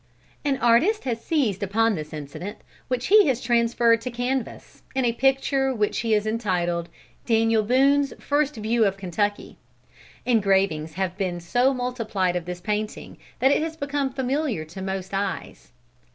An artist has seized upon this incident, which he has transferred to canvass, in a picture which he has entitled, "Daniel Boone's first view of Kentucky." Engravings have been so multiplied of this painting, that it has become familiar to most eyes.